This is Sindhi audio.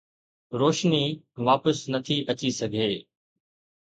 روشني واپس نٿي اچي سگهي